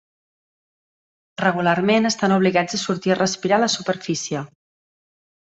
Regularment, estan obligats a sortir a respirar a la superfície.